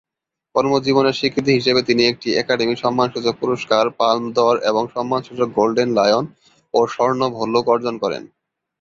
কর্মজীবনের স্বীকৃতি হিসেবে তিনি একটি একাডেমি সম্মানসূচক পুরস্কার, পাল্ম দর, এবং সম্মানসূচক গোল্ডেন লায়ন ও স্বর্ণ ভল্লুক অর্জন করেন।